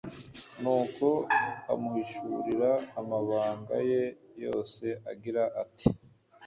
nuko amuhishurira amabanga ye yose, agira ati